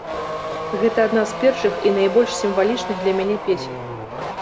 Гэта адна з першых і найбольш сімвалічных для мяне песень.